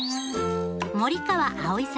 森川葵さん